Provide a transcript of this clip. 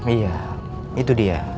iya itu dia